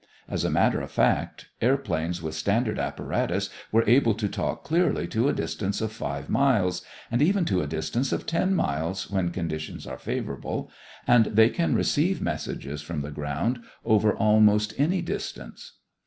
As a matter of fact, airplanes with standard apparatus are able to talk clearly to a distance of five miles and even to a distance of ten miles when conditions are favorable, and they can receive messages from the ground over almost any distance.